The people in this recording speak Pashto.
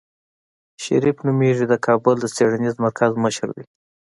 شريف نومېږي د کابل د څېړنيز مرکز مشر دی.